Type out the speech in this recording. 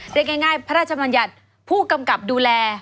เรียกง่ายพระราชมัญญัติผู้กำกับดูแล